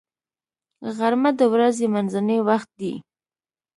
غرمه د ورځې منځنی وخت دی